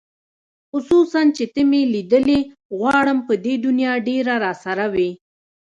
خصوصاً چې ته مې لیدلې غواړم په دې دنیا ډېره راسره وې